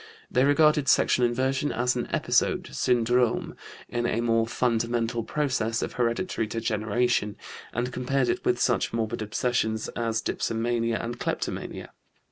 They regarded sexual inversion as an episode (syndrome) in a more fundamental process of hereditary degeneration, and compared it with such morbid obsessions as dipsomania and kleptomania.